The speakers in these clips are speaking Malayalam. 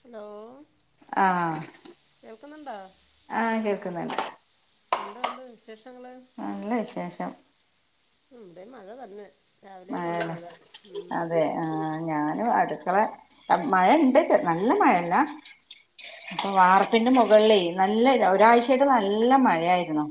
ഹലോ. ആഹ് കേൾക്കുന്നുണ്ടാ ആ കേൾക്കുന്നുണ്ട്. എന്തുണ്ട് വിശേഷങ്ങള്? നല്ല വിശേഷം. ഇവിടെ മഴ തന്നെ രാവിലെ തന്നെ മഴയാണ് മഴ ഉം അതെ ആഹ് ഞാനും അടുക്കള അ മഴണ്ട് നല്ല മഴല്ല അപ്പൊ വാർപ്പിന്റെ മുകളിലേ നല്ല ഒരാഴ്ചയായിട്ട് നല്ല മഴയായിരുന്നു.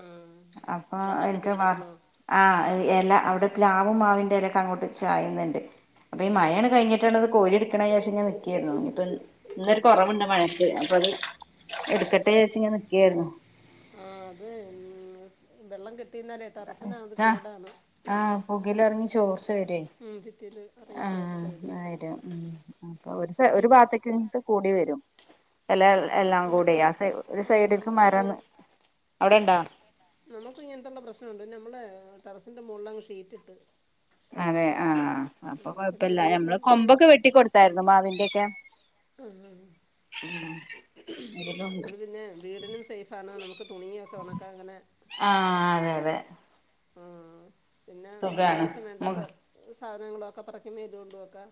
ആഹ് അപ്പൊ വെള്ളം കെട്ടി എനിക്ക് വാർ കെടക്കുന്നോ ആഹ് എല അവിടെ പ്ലാവും മാവിൻ്റെ എലൊക്കെ അങ്ങോട്ട് ചായുന്നുണ്ട്. അപ്പൊ ഓ ഈ മഴണ് കഴിഞ്ഞിട്ടണത് കോരി എടുക്കണം വിചാരിച്ച്ങ്ങനെ നിക്കെരുന്നു ഇനിപ്പെന്ന് ഇന്നൊരു കൊറവുണ്ട് മഴക്ക് അപ്പത് എടുക്കട്ടെ വിചാരിച്ച്ങ്ങനെ നിക്കേര്ന്നു ആഹ് അത് ഇന്ന് വെള്ളം കെട്ടി നിന്നാലേ ട്ടറസിനത് കേടാണ് [unintelligible] ലെറങ്ങി ചോർ ഉച്ചവരേയ് ഉം, ഭിത്തിയിൽ ഇറങ്ങി ചോർച്ച ആഹ് വരും ആയിരം ഉം അപ്പൊ ഒരു സ ഒരു ഷീറ്റ് ഭാഗത്തക്ക് ഇങ്ങട്ട് കൂടി വരും എല ആ എല്ലാം കൂടി നമുക്ക് ആ സ ഒരു ഉം, സൈഡിൽക്ക് നമുക്ക് മരൊന്ന് ഇങ്ങനെ അവിടെണ്ടോ നമുക്ക് ഇങ്ങനത്തുള്ള പ്രശ്നണ്ട് നമ്മള് ടെറസിൻ്റെ മോളില് അങ്ങ് ഷീറ്റ് ഇട്ട്. അതെ ആഹ് അപ്പൊ എന്നിട്ട് പിന്നെ കൊഴപ്പില്ല ഞമ്മള് വീടിനും സേ കൊമ്പൊക്കെ വെട്ടികൊടുത്തായിരുന്നു മാവിന്റെയൊക്കെ. അഹ് ആഹ് ഇതിലുണ്ട് അപ്പെള് പിന്നെ വീടിനും സേഫ് ആണ് നമുക്ക് തുണിയൊക്കെ ഒണക്കാം ഇങ്ങനെ ആഹ് അതെ അതെ. ആഹ് പിന്നെ സുഖാണ് അത്യാവശ്യം മു വേണ്ടാത്ത സാധനങ്ങളൊക്കെ പറക്കി മേളി കൊണ്ടു വെക്കാം.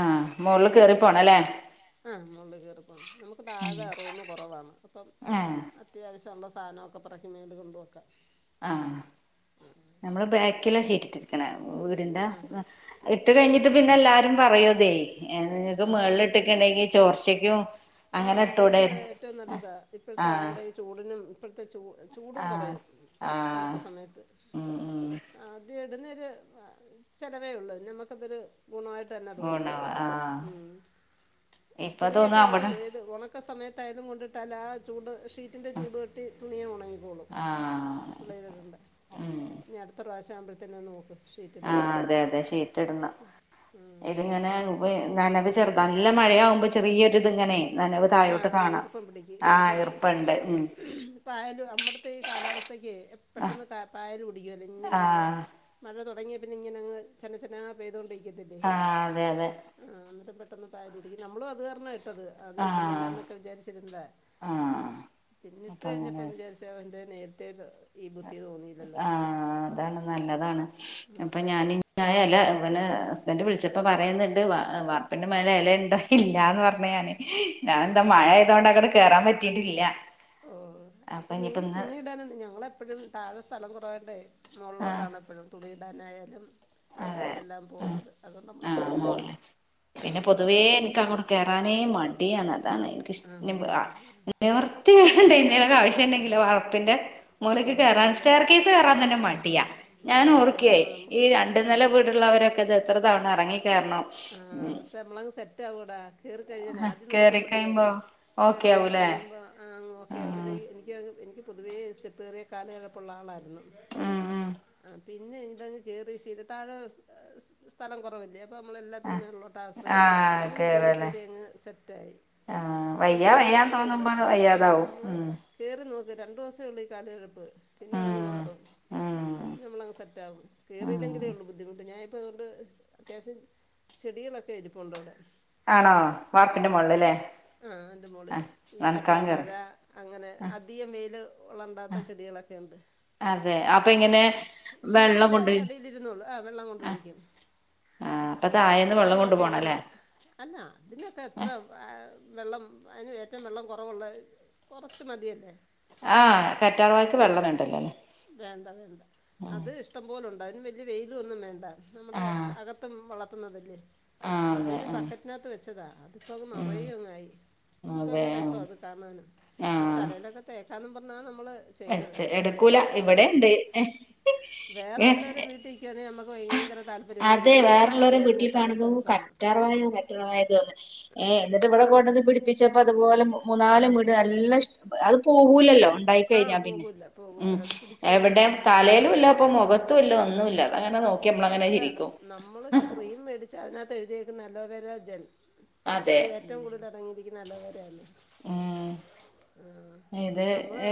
ആഹ് മോളില് കേറി പോണല്ലേ മോളില് കേറി പോണം ല്ലെ ആഹ് മോളില് കേറി പോണം നമുക്ക് താഴെ റൂമ് കൊറവാണ് അപ്പം ഏഹ് അത് അത്യാവശ്യള്ള സാധനൊക്കെപറക്കി മേളില് കൊണ്ട് വെക്കാം ആഹ് നമ്മള് ബാക്കിലാ ഷീറ്റിട്ടിരിക്കണെ വീടിന്റെ ആ ഹാ ഇട്ട് കഴിഞ്ഞിട്ട് പിന്നെ എല്ലാരും പറയും അതേ നിങ്ങക്ക് ആ മേൾള് ഇട്ട്ക്ക്‌ണെങ്കി ചോർച്ചയ്ക്കും ആഹ് വീടിന്ന് ഏറ്റവും നല്ലതാ ഇപ്പഴത്തെ ആഹ് [unintelligible] ചൂടിനും ഇപ്പളത്തെ ചൂ ചൂടും ആഹ് കൊറയും ഒണക്ക ആഹ് സമയത്ത്. ഉം ഉം ആദ്യം ഇടുന്നൊരു ചെലവേ ഉള്ളു പിന്നെ നമ്മക്കതൊരു ഗുണായിട്ടന്നെ തോന്നുന്നത് ഗുണവാ ആഹ് ഉം ഇപ്പൊ തോന്നും തുണിയൊക്കെ അവിടെ ഒണക്ക സമയത്തായതും കൊണ്ടിട്ടല്ലാ ചൂട് ഷീ ഷീറ്റിൻ്റെ ചൂടുതട്ടി തുണിയങ്ങ് ഒണങ്ങിക്കോളും ആഹ് [unintelligible] ഇടണ്ട ഉം ഇനി അടുത്ത പ്രാവശ്യാവുമ്പഴത്തിന് അതൊന്ന് നോക്ക് ഷീറ്റിൻ്റെ ആഹ് അതെ അതെ ഷീറ്റിടണം ഉം. ഇതിങ്ങനെ ഇപ്പം നനവ് ചെറുത് നല്ല മഴയാവുമ്പം ചെറിയൊരിതിങ്ങനെ നനവ് താഴോട്ട് ആഹ് കാണാം ഈർപ്പം പിടിക്കും ആഹ് ഈർപ്പം പിടിക്കും ഈർപ്പണ്ട് ഉം പായല് അമ്മടുത്തെ ഈ കാലാവസ്ഥയ്ക്ക് ആഹ് പെട്ടെന്ന് പായല് പിടിക്കോലോ ഇങ്ങനെ മഴ ആഹ് മഴ തൊടങ്ങിയ പിന്നെ ഇങ്ങനെ അങ്ങ് ചെന ചെന പെയ്തൊണ്ടിരിക്കത്തില്ലേ ആഹ് അതെ അതെ ആഹ് എന്നിട്ട് പെട്ടെന്ന് പായല് പിടിക്കും നമ്മളും അത് കാരണ ഇട്ടത് ആഹ് ഇടുന്നില്ലാന്നൊക്കെ വിചാരിച്ചിരുന്നതാ ആഹ് പിന്നെ ഇട്ട് അപ്പൊ അങ്ങനെ കഴിഞ്ഞപ്പം വിചാരി [unintelligible] നേരത്തെ ഇത് ഈ ബുദ്ധി തോന്നിയില്ലല്ലോന്ന് ആഹ് അതാണ് നല്ലതാണ് അപ്പൊ ഞാന് ഞാന് അല്ല പിന്നെ ഹസ്ബന്റ് വിളിച്ചപ്പോ പറയുന്നുണ്ട് വാ വാർപ്പിന്റെ മേലെ എല ഇണ്ടോ ഇല്ലാന്ന് പറഞ്ഞ് ഞാന് ഞാൻ എന്താ ആ മഴ ആയത്കൊണ്ട് അങ്ങട് കേറാൻ പറ്റീട്ടില്ല ഓഹ് അപ്പൊ നിങ്ങള് തുണിയിടാനാണ് ഞങ്ങളെപ്പഴും താഴെ സ്ഥലം കൊറവായോണ്ടേയ് ആഹ് മൊകളിലോട്ടാണ് എപ്പഴും തുണിടാനായാലും അതെ എല്ലാം ഉം പോവുന്നത് അതുകൊണ്ട് നമ്മള് ആഹ് എപ്പഴങ്ങനെ മോളില് ശ്രദ്ധിക്കും ക്കാനേ മ ഡി അതാണ് എനിക്ക് ഇഷ് ഇനിപ്പോ ആണല്ലേ ആ നിർത്തിക്കേട് കൊണ്ട് എന്തേലും ആവശ്യം ഇണ്ടെങ്കിലോ വാർപ്പിന്റെ മോളക്ക് അയ്യോ കയറാൻ നമ്മൾ സ്റ്റർ കേസ് കേയറാൻ തന്നെ മടിയാ അയ്യോ ഞാന് അത് ഓർക്കെ കയറണം ഈ നമുക്ക് ര രണ്ട് ആ നില വീടുള്ളവരൊക്കെ ഇത് എത്ര തവണ അറങ്ങികേരണം ആ പക്ഷെ നമ്മളങ്ങ് സെറ്റ് ആവൂട കേറി കഴിഞ്ഞ ആദ്യം നമുക്ക് കേറി മടിയ കഴിയുമ്പോ കേറുന്ന കേറി ഓക്കെ കേറി ആവൂലേ കഴിയുമ്പോ അങ്ങോ ഒക്കെ ആഹ് ആകുബത്തേക്കും എനിക്ക് എനിക്ക് പൊതുവേ സ്റ്റാപ്പക്കറിയ കാല് കഴപ്പുള്ള ആളായിരുന്നു ഉം ഉം ആഹ് പിന്നെ ഇതങ്ങ് കേറി ശീല താഴെ ഏ സ്ഥലം കുറവല്ലേ ഇപ്പൊ നമ്മളെല്ലാത്തിനും ആഹ് മേളിലോട്ടാ ആശ്രയിക്കണ്ത് ആഹ് അങ്ങനെ കേറി കേറല്ലേ കേറി അങ്ങ് സെറ്റായി ആഹ് ഇപ്പം വയ്യ വയ്യാന്ന് കേയറിയില്ലെങ്കിലേള്ളൂ തോന്നുമ്പോ ആഹ് വയ്യാതാവും നമ്മള് ഉം കേറി നോക്ക് രണ്ടു ദിവസേ ഉള്ളൂ ഈ കാല് കഴപ്പ് പിന്നെ അതങ്ങ് ഉം മാറും ഉം പിന്നെ നമ്മളങ് സെറ്റാകും ഉം കറില്ലെങ്കിലേള്ളു ബുദ്ധിമുട്ട് ഞാനിപ്പം ഇതൊണ്ട് അത്യാവശ്യം ചെടികളൊക്കെ ഇരിപ്പുണ്ടവിടെ ആണോ വാർപ്പിന്റെ മോളിലല്ലേ ആഹ് അത് മോള് ആ ഈ നനക്കാൻ കറ്റാർവഴ കേറും അങ്ങനെ അധികം വെയില് ഉള്ളണ്ടാത്ത ചെടിക്കളൊക്കെണ്ട് അതെ അപ്പൊ ഇങ്ങനെ ആഹ് വെള്ളം ഷീറ്റിന്റെ കൊണ്ട് അടിയിലിരുന്നോളും ആഹ് വെള്ളം ആ കൊണ്ടൊയിക്കും ആ അപ്പൊ ആഹ് താഴേന്ന് കറ്റാർവാഴ വെള്ളം കൊണ്ടു കെയ്റ്റിവെക്കണം പോണല്ലേ അല്ല ഇതിനൊക്കെ എത്ര ആ വെള്ളം അതിനേറ്റം വെള്ളം കുറവുള്ളത് കുറച്ച് മതിയല്ലേ ആ കറ്റാർവായക്ക് വെള്ളം വേണ്ടല്ലേ വേണ്ട വെണ്ട അത് ഇഷ്ടം പോലുണ്ട് അതിന് വലിയ വെലൊന്നും വേണ്ട നമ്മുടെ ആ അകത്തും വളർത്തുന്നതല്ലേ ആ അതെ അതൊരു ആ ബക്കറ്റിനകത്ത് വെച്ചതാ അതിപ്പോ ഉം നരയ്യെങ് യി, ഇപ്പൊ അതെ അങ്ങ് രസവ അത് കാണാനും ആ ഇത് തലയിലൊക്കെ തേക്കന്ന് പറഞ്ഞാണ് നമ്മള് ചെയ്തത എടുക്കൂല എന്താ ഇവിടെ ഉണ്ട് വേറെ ഏ വെലോരോം വീട്ടി കിട്ടിയത് നമുക്ക് ഭയങ്ക താൽ അതെ വേറള്ളോരെ വീട്ടിൽ കാണുമ്പോ തേക്കാമെന്ന് കറ്റാ കാനും കറ്റാർവാഴത് ഏ എന്നിട്ട് ഇവിടെ കൊണ്ടുവന്ന് പിടിപ്പിച്ചപ്പോ അതുപോലെ മൂ മൂന്നാല വീട് ആർക്കും നല്ല ഇഷ്ട് അത് പോവൂല്ലല്ലോ ആഹ് ഇണ്ടായിക്കഴിഞ്ഞ പിന്നെ പോകൂല്ല പോകൂല്ല ഉം അത് പിടിച്ച് കഴിഞ്ഞാൽ എവിടെ പിന്നെ പോകൂല്ല തലേലുല്ലാ ഇപ്പൊ മുഖത്തുല്ല ഒന്നുമല്ല അതങ്ങനെ നോ അല്ല നമ്മളൊരു ക്രീം മേടിച്ച അതിനകത്ത് എഴുതിയേക്കുന്ന അലോവേരാ ജെൽ അതെ ഇത് ഏറ്റവും കൂടുതൽ അടങ്ങിയിരിക്കുന്ന അലോവെരതെന്നെ ഉം ആഹ് ഇത് നമ്മള്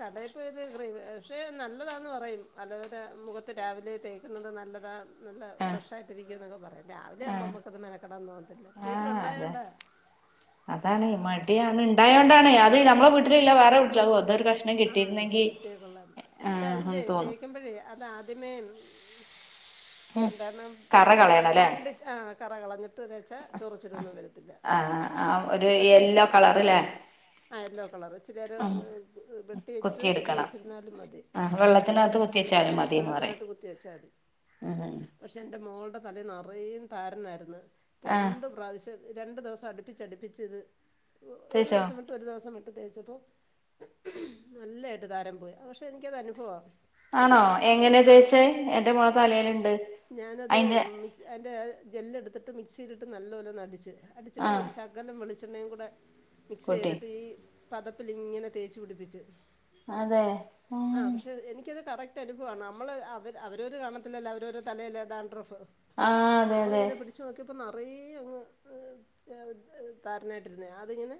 കടയിപ്പോയത് ക്രീം പക്ഷേ നല്ലതാന്ന് പറയും അലൊവെര മുഖത്ത് രാവിലെ തേക്കുന്നത് നല്ലതാ നല്ല ആഹ് ഫ്രഷായിട്ടിരിക്കുവെന്നൊക്കെ പറയും രാവിലയാമ്പോൾ ആഹ് നമുക്ക് അത് മെനക്കെടാൻ തോന്നത്തില്ല വീട്ടിലുണ്ടായേണ്ടാ അതാണെ മടിയാണ് ഇണ്ടായൊണ്ടണെ അത് നമ്മളെ വീട്ടിലില്ല വേറെ വീട്ടിലകും ആവൂ അതൊരു കഷ്ണം ആഹ് കിട്ടിരുന്നെങ്കി കിട്ടിയ കൊള്ളാം പക്ഷെ അതിന്റെ തേക്കുമ്പോഴേ അത് അദ്യമേ ഉം എന്തന്ന് കറ ആഹ് കളയണല്ലേ കണ്ടിച്ച് ആഹ് കറ കളഞ്ഞിട്ട് തെച്ചാ ചോറിച്ചിലൊന്നും വരത്തില്ല ആഹ് ആഹ് ഒരു യെല്ലോ കളറ്ല്ലേ ആഹ് യെല്ലോ കളറ് ഇച്ചിരി നേരം ഉം ഒന്ന് വെട്ടിയിട്ട് കുത്തി കുത്തിയെടുക്കണം വെച്ചിരുന്നാലും മതി ആ അല്ലെ വെള്ളത്തിനകത്ത് കുത്തിച്ചാലും മതിന്ന് പറയും വെള്ളത്തിനകത്ത് കു കുത്തിവെച്ചതി ഉം ഉം പക്ഷെ എന്റെ മോൾടെ തലെ നേറെയും താരനായിരിന്ന് ആഹ് രണ്ട് പ്രാവശ്യം രണ്ട് ദിവസം അടുപ്പിച്ച് അടുപ്പിച്ചിത് ഒ ഒരു തേച്ചോ ദിവസം ഒരു ദിവസം ഇട്ട് തേച്ചപ്പോ നല്ലയായിട്ട് താരൻ പോയി പക്ഷെ എനിക്കത് അനുഭവ ആണോ എങ്ങനെ തേച്ചേ എന്റെ മോളെ തലേലുണ്ട് ഞാനത് മിക്സ് അതിൻ്റെ ജെല്ല് എടുത്തിട്ട് മിക്സിയിലിട്ട് നാലൊല്ലെന്നു അടിച്ച് അടിച്ചിട്ട് ആഹ് ഒരു ശകലം വെളിച്ചെണ്ണയും കൂടെ മിക്സ് കൂട്ടി ചെയ്തിട്ട് ഈ പതപ്പിലിങ്ങനെ തേച്ച് പിടിപ്പിച്ച് അതെ ആഹ് ഉം പക്ഷെ എനിക്കത് കറക്റ്റ് ന്റെ അനുഭവമാണ് നമ്മള് അവര് തടുക്കുവ നമ്മള് അവര് അവരോര് കാണത്തിലല്ലോ അവരോരെ തലയിലെ ഡാൻഡ്രഫ് ആഹ് അതെ അതെ നമ്മളിങ്ങനെ പിടി ച്ച് നോക്കിപ്പ നിറയങ്ങ് ഏ താരനായിട്ടിരുന്നേ അതിങ്ങനെ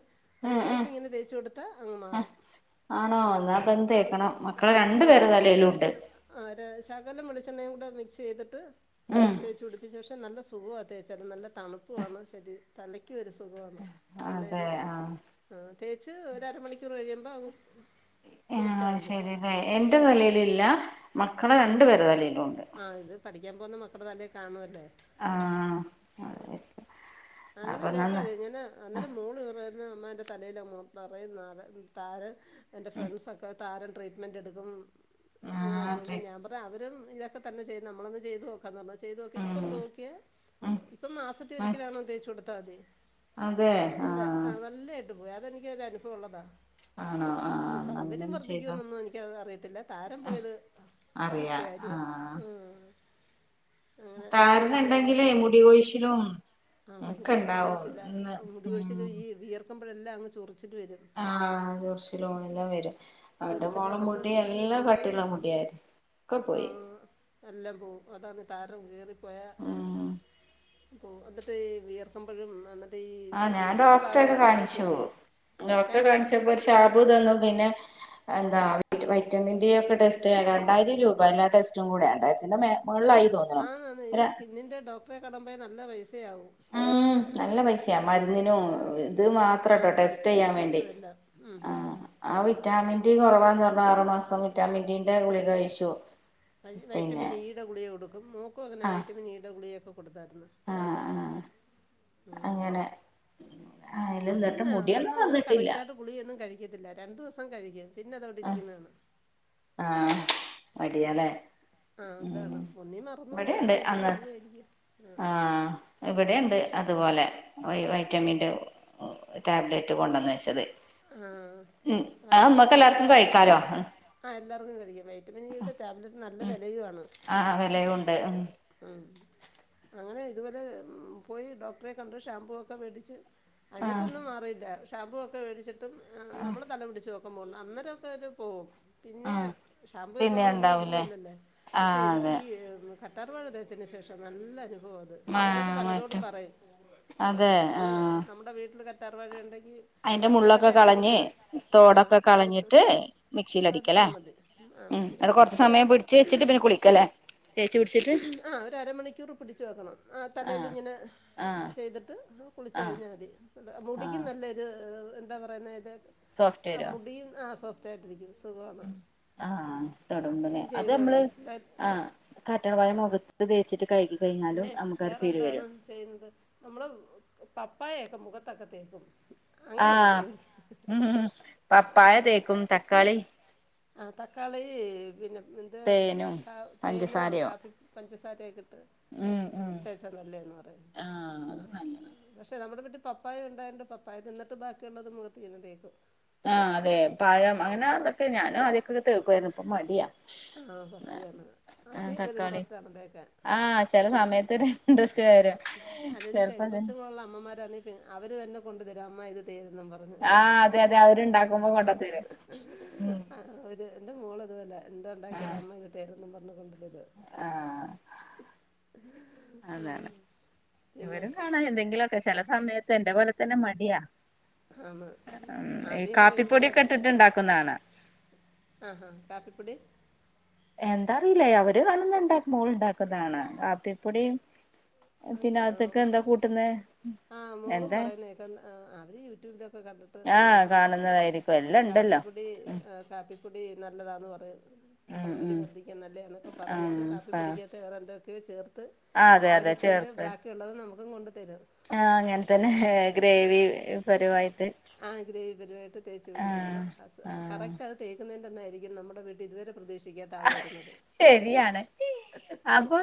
ഉം ഉം ഇടയ്ക്കിടക്ക് ഇങ്ങനെ തേച്ചു കൊടുത്ത അങ്ങ് ആഹ് മാറും ആണോ എന്നാ അതെന്ന് ആ തേക്കണം മക്കള രണ്ടു പേരുടെ തലയിലും ഉണ്ട് ആഹ് ഒരു ശകാലം വെളിച്ചെണ്ണയും കൂടെ മിക്സ് ചെയ്തിട്ട് ഉം തേച്ച് പിടിപ്പിച്ച ശേഷം നല്ല സുഖം തേച്ച നല്ല തണുപ്പുവാണ് ശരി തലയ് റ്റി ഒരു സുഖവാണ് അതെ നല്ലൊരു ആഹ് ആഹ് തേച്ച് ഒര അരമണിക്കൂർ കഴിയുമ്പ അങ്ങ് കുളിച്ചാൽ ആഹ് മതി ശരില്ലേ എന്റെ തലയിലില്ല മക്കളെ രണ്ടു പേരു തലയിലും ഉണ്ട് ആഹ് ഇത് പഠിക്കാൻ പോന്ന മക്കട തലയിൽ കാണുവല്ലേ ആഹ് ഹ് അതെ അങ്ങനെ അപ്പൊ തേച്ചാ നന്ന് മതി ഇങ്ങന അന്നേരം മോള് പറയുന്ന് അമ്മാ എൻ്റെ തലയില് മൊ നിറയെ നര താരൻ എൻ്റെ ഉം ഫ്രണ്ട്സൊക്കെ താരൻ ട്രീറ്റ്മെന്റ് എടുക്കും ആഹ് അങ്ങനെക്കെ ട്രി ഞാൻ പറയും അവരും ഇതൊ ക്കെ തന്നെ ചെയത് നമ്മളൊന്ന് ചെയ്ത് നോ ക്കന്ന് പറഞ്ഞ് ചെയ്ത് നോക്കി ഉം ഇപ്പം തോക്കിയെ ഉം ഇപ്പം മാസത്തി മ ഒരിക്കലാണോ തേച്ചു കൊടുത്താ മതി നല്ലെ ആഹ് നല്ലായായിട്ട് പോയി അതെനിക്ക് ഒരു അനുഭവമുള്ളതാ ആണോ ആഹ് ഇ എന്നാ സൗന്ദര്യം അങ്ങനൊന്ന് വർദ്ധിക്കൂ ചെയ്തോ എന്നൊന്നും എനിക്കത് അറിയത്തില്ല താരൻ ആഹ് പോയത് അറിയാ കറക്റ്റ് കാര്യം ആഹ് ആഹ് താരൻ ഉണ്ടെങ്കിലേ മുടികോഴിച്ചിലും ആഹ് ഭയങ്കര മുടകൊഴിച്ചില മുടികൊഴിച്ചില് ഉം ഈ വിയർക്കുമ്പോഴെല്ലാം അങ്ങ് ചൊറിച്ചില് വരും ആഹ് ചൊറിച്ചിലോ എല്ലാം വരും അവന്റെ ചൊറിച്ചില് മോൾടെ വന്നിട്ട് മുടി ഈ എല്ലാം നമ്മുടെ ഈ കട്ടിള്ള മുടിയായിരി ഒക്കപ്പോയി ആഹ് എല്ലാം പോകും അതാണ് താരൻ കെറിപ്പോയ ഉം പ്പോകും അന്നിട്ടി ഈ വിയർക്കുമ്പോഴും അന്ന ആഹ് ഞാൻ ഡോക്ടറെ ഒക്കെ കാണിച്ചു ചൊറിയും ഡോക്ടറെ ഏഹ് കാണിച്ചപ്പോ ടാബ് തന്നു പിന്നെ എന്താ വൈറ്റമിൻ ഡി ഒക്കെ ടെസ്റ്റ് ചെയ്യാൻ ആഹ് രണ്ടായിരം രൂപ എല്ല ടെസ്റ്റും കൂടെ രണ്ടായിരത്തിന്റെ മേളിലായി ആന്ന് ആന്ന് ഈ സ്കിന്നിൻന്റെ ഡോക്ടറെ കണുമ്പോ നല്ല പൈസയാകും ഉം നല്ല പൈസയാ മരുന്നിന്നും ഇത് മാത്രട്ടോ ആഹ് ടെസ്റ്റ് ചെയ്യാൻ കൺസൾട്ടിങ് വേണ്ടി ഫീസും എല്ലാം ഉം ഉം ആഹ് ഉം ആ വിറ്റാമിൻ ഡി കുറവാന്ന് പറഞ്ഞു ആറുമാസം വിറ്റാമിൻ ഡിന്റെ ഗുളിക കഴിച്ചു വൈ പിന്നെ വൈറ്റമിൻ ഈടെ ഗുളിക കൊടുക്കും. മോൾക്കും അങ്ങനെ ആഹ് വൈറ്റമിൻ ഈടെ ഗുളികയൊക്കെ കൊടുത്തായിരുന്നു. ആഹ് ആഹ് ഉം അങ്ങനെ അയില് അന്നിട്ട് അതെന്നാ മുടിയൊന്നും അവരൊന്നും അങ്ങനെ വന്നിട്ടില്ല. കറക്റ്റായിട്ട് ഗുളികയൊന്നും കഴിക്കത്തില്ല രണ്ടു ദിവസം കഴിക്കും പിന്നെ അതവിടെ ഇരിക്കുന്ന കാണാം. ആഹ് മടിയാല്ലേ ആ അതാണ് ഉം ഒന്നീ മറന്നു ഇവിടെയിണ്ട് പോകുമായിരിക്കും അല്ലേ അന്ന് മടിയായിരിക്കും ആ ആഹ് ഇവിടേണ്ട് പക്ഷേ അതുപോലെ വൈ വൈറ്റമിന്റെ ടാബ്‌ലറ്റ് കൊണ്ടന്ന് വെച്ചത് ആഹ് ഉം അത് വൈറ്റമിൻ നമ്മക്ക് ഈടെ എല്ലാർക്കും ടാബ്‌ലറ്റ് കഴിക്കാലോ ആഹ് എല്ലാവർക്കും കഴിക്കാം വൈറ്റമിൻ ഈയുടെ ടാബ്‌ലറ്റിന് നല്ല ഉം വിലയുമാണ് ആഹ് വിലയുണ്ട് ഉം ഉം അങ്ങനെ ഇതുപോലെ പോയി ഡോക്ടറെ കണ്ട് ഷാംമ്പൂ ഒക്കെ മേടിച്ച് ആഹ് എന്നിട്ടൊന്നും മാറിയില്ല. ഷാമ്പൂ ഒക്കെ മേടിച്ചിട്ടും ആഹ് നമ്മള് തല പിടിച്ച് നോ അന്നേരൊക്കെ അവര് പോകും പിന്നെ ആഹ് ഷാമ്പൂ എന്നും പിന്നെ നമ്മള് ഉണ്ടാവൂലേ ഇടുന്നതല്ലല്ലോപക്ഷെ ആഹ് എനിക്ക് അതെ ഈ കറ്റാർവാഴ തേച്ചതിന് ശേഷം നല്ലനുഭവാ അത് അത് മാ ഞാനത് പലരോടും മറ്റും പറയും ആഹ് അതെ നമ്മള് നമ്മുടെ വീട്ടില് കറ്റാർ വാഴ ഉണ്ടെങ്കി അതിന്റെ മുള്ളൊക്കെ കളഞ്ഞ് തോടൊക്കെ കളഞ്ഞിട്ട് മിക്സിയിൽ അടിക്കാലേ എടുത്താൽ മതി ആ ഉം അന്നിട്ട് മിക്സിയിലടിക്കുക കൊറച്ചു സമയം പിടിച്ച് വെച്ചിട്ട് അതിൻ്റെ പിന്നെ കുളിക്കല്ലേ തേച്ചു പിടിച്ചിട്ട് ആഹ് ഒരരമണിക്കൂർ പിടിച്ച് വെക്കണം ആഹ് തലേൽ ഇങ്ങനെ ആഹ് ചെയ്തിട്ട് കുളിച്ചു ആഹ് കഴിഞ്ഞാ മതി മുടിയ്ക്കും ആഹ് നല്ലൊരു എന്താ പറയുന്നെ ഇതേ ആഹ് സോഫ്റ്റ്വെയറോ മുടിയും ആഹ് സോഫ്റ്റ് ആയിട്ടിരിക്കും സുഖമാണ് ആഹ് തൊടുമ്പല്ലേ ഇനി അത് ചെയ്തു നമ്മള് നോക്ക് എന്താ ആഹ് കറ്റാർവാഴ മുഖത്ത് തേച്ചിട്ട് കഴുകി കഴിഞ്ഞാലും പിന്നെ നമുക്കാ ഒരു വേറെ ഫീൽ എന്താണ് വരും. ചെയ്യുന്നത്. നമ്മള് പപ്പായൊക്കെ മുഖത്തൊക്കെ തേക്കും. അങ്ങനൊക്കെ ആഹ് ചെയ്യും. ഉം ഉം പപ്പായ തേക്കും. തക്കാളി ആഹ് തക്കാളി പിന്നെ എന്തോ തേനും കാ തേനോ പഞ്ചസാരയോ കാപ്പി പഞ്ചസാരയൊക്കെ ഇട്ട് ഉം ഉം തേച്ച നല്ലേയാന്ന് പറയും ആഹ് അത് നല്ലതാ പക്ഷെ നമ്മുടെ വീട്ടിൽ പപ്പായ ഉണ്ടായോണ്ട് പപ്പായ തിന്നിട്ട് ബാക്കിയുള്ളത് മുഖത്തു തന്നെ തേക്കും. ആഹ് അതെ പഴം അങ്ങനെ അതൊക്കെ ഞാനും ആദ്യം ഒക്കെ തേക്കുവായിരുന്നു. ഇപ്പ മടിയാ. ആഹ് ആഹ് സത്യാണ്ആദ്യ ഒക്കെ ഒരു തക്കാളി ഇൻട്രസ്റ്റ് ആണ് ആഹ് ചെല തേക്കാൻഅല്ലു സമയത്ത് ഒരു ഇൻട്രസ്റ്റ് വര അല്ലേലും പെൺകൊച്ചുങ്ങളുള്ള അമ്മമാരാഅവര് തന്നെ കൊണ്ടു തരും. അമ്മ ഇത് തേര് പറഞ്ഞ്. ആഹ് അതെ അതെ അവരുണ്ടാക്കുമ്പോ കൊണ്ടത്തരും ഉം ആഹ് ഒരു എന്റെ മോള് ഇതുപോലെ എന്തു ഉണ്ടാക്കിയാലും ആഹ് അമ്മ ഇത് തേരന്നും പറഞ്ഞു കൊണ്ട് തരും. ആഹ് ആഹ് പിന്നെ. ആഹ് എന്തെങ്കിലുമൊക്കെ ചില സമയത്ത് എന്റെ പോലെ തന്നെ മടിയാ. ആണ് ഉം ഈ ആദ്യമൊക്കെ ഭയങ്കര കാപ്പിപ്പൊടിയൊക്കെ ഇട്ടിട്ട് ഉണ്ടാക്കുന്ന കാണാം. ആഹ് ഹാ കാപ്പിപൊടി എന്താറിയില്ലേ അവര് കാണുന്ന ഉണ്ടാ മോൾ ഉണ്ടാക്കുന്ന കാണാം. കാപ്പിപ്പൊടീം ആ, പിന്നകത്തേക്ക് എന്താ ആ, കൂട്ടുന്നെ. ആഹ് മോളും എന്താ പറയുന്ന കേക്കാം. അവര് യൂട്യൂബിലൊക്കെ കണ്ടിട്ട് ആഹ് നോക്കുന്നതാണ്. കാണുന്നതായിരിക്കും എല്ലാം ആഹ് ഉണ്ടല്ലോ കാപ്പിപ്പൊടി ഉം കാപ്പിപ്പൊടി നല്ലതാന്ന് പറയും. ഉം സൗന്ദര്യം ഉം വർദ്ധിക്കാൻ നല്ലെയാന്നൊക്കെ പറഞ്ഞിട്ട് ആഹ് കാപ്പിപ്പൊടിക്കാത്ത് വേറെന്തൊക്കെയോ ചേർത്ത് ആഹ് അതെ അതെ അവരിട്ടേന്റെ ചേർത്ത് ബാക്കിയുള്ളത് നമുക്കും കൊണ്ട തരും. ആഹ് അങ്ങനെ തന്നെ ഗ്രേവി പരുവായിട്ട്. ആഹ് ഗ്രേവി പരുവമായിട്ട് തേച്ച് പിടിപ്പിക്കും. ആഹ് ആഹ് കറക്റ്റ് അത് തേക്കുന്നേൻ്റെ അന്നായിരിക്കും നമ്മുടെ വീട്ടിൽ ഇതുവരെ പ്രതീക്ഷിക്കാ [unintelligible] ശരിയാണ്. അപ്പൊ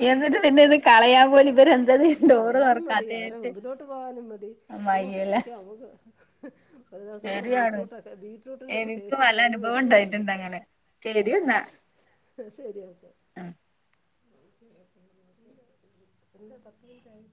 ഒരു എന്നിട്ട് പിന്നെ ഇത് കളയാൻ പോവല്. ഇവര എന്തത് ഡോറ് തുറക്കാത്തെ. ടെ മുമ്പിലോട്ട് പോകാനും മടി ഓ ഒരിക്കെ നമുക്ക് ഒരു ദിവസം നമ്മള് ശരിയാണ് ബീറ്റ്റൂട്ടൊക്കെ ബീറ്റ്റൂട്ടിന്റെ ഒരു ഫേഷ്യേല് വെടിച്ചോണ്ട് വന്ന് ശരിയെന്നാ ന്നാ ശരിയാന്നാ എന്ത പത്തു മിനുറ്റായി